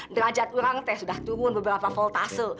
derajat ulang teh sudah turun beberapa voltase